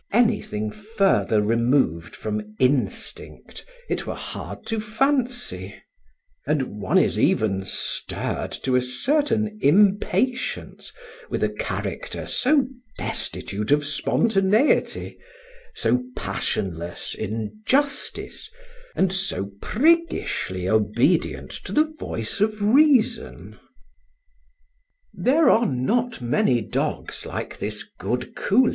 Anything further removed from instinct it were hard to fancy; and one is even stirred to a certain impatience with a character so destitute of spontaneity, so passionless in justice, and so priggishly obedient to the voice of reason. There are not many dogs like this good Coolin.